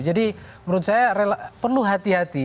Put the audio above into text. jadi menurut saya perlu hati hati